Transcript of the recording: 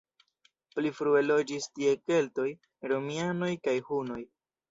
Pli frue loĝis tie keltoj, romianoj kaj hunoj.